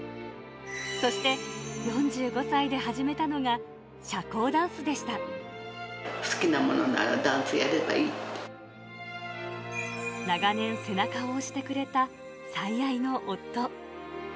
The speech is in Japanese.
そして４５歳で始めたのが社交ダ好きなものならダンスやれば長年、背中を押してくれた最愛の夫。